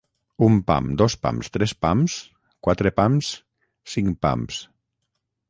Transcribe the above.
Un pam, dos pams, tres pams, quatre pams, cinc pams